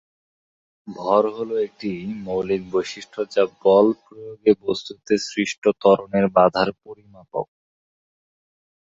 ভর হলো বস্তুর একটি মৌলিক বৈশিষ্ট্য যা বল প্রয়োগে বস্তুতে সৃষ্ট ত্বরণের বাধার পরিমাপক।